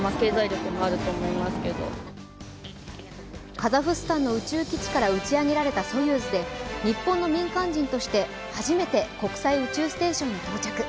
カザフスタンの宇宙基地から打ち上げられたソユーズで日本の民間人として初めて国際宇宙ステーションに到着。